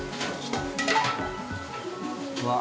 うわっ。